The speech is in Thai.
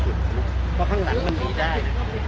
เพราะข้างหลังมันมีได้